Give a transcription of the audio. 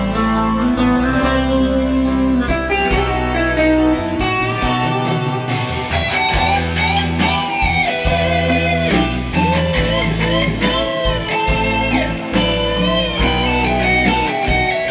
อยู่ดีกับดิงบีพี่หรอกเนี่ย